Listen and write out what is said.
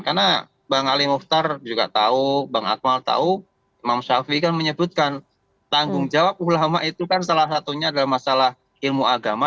karena bang ali muftar juga tahu bang atmal tahu imam shafi'i kan menyebutkan tanggung jawab ulama' itu kan salah satunya adalah masalah ilmu agama